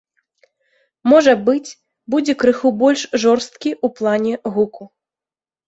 Можа быць, будзе крыху больш жорсткі ў плане гуку.